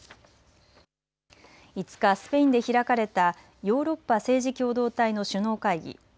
５日、スペインで開かれたヨーロッパ政治共同体の首脳会議。